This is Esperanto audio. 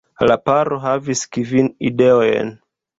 La paro havis kvin idojn.